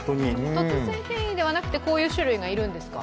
突然変異ではなくてこういう種類がいるんですか。